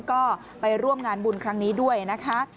ก็ไปร่วมงานบุญครั้งนี้ด้วยนะคะ